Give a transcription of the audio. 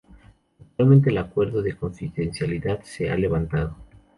Actualmente, el acuerdo de confidencialidad se ha levantado.